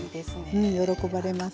喜ばれます。